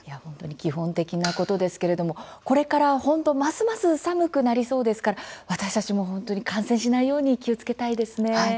基本的なことですけれどもこれからますます本当に寒くなりそうですから私たちも感染しないように気をつけたいですね。